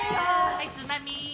はいつまみ。